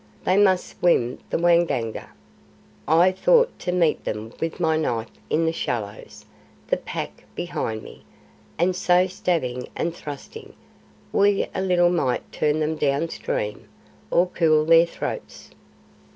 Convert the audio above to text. "They must swim the Waingunga. I thought to meet them with my knife in the shallows, the Pack behind me; and so stabbing and thrusting, we a little might turn them down stream, or cool their throats."